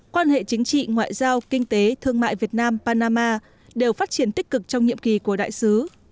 quan hệ chính trị ngoại giao kinh tế thương mại việt nam panama đều phát triển tích cực trong nhiệm kỳ của đại sứ